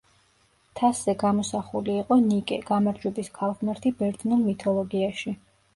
თასზე გამოსახული იყო ნიკე, გამარჯვების ქალღმერთი ბერძნულ მითოლოგიაში.